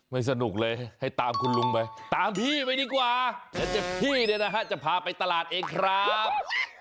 สนุกเลยให้ตามคุณลุงไปตามพี่ไปดีกว่าเดี๋ยวพี่เนี่ยนะฮะจะพาไปตลาดเองครับ